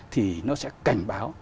thì nó sẽ cảnh báo